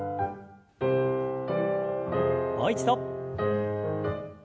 もう一度。